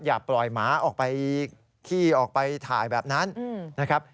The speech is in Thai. อย่าปล่อยหมาออกไปขี้ออกไปถ่ายแบบนั้นนะครับ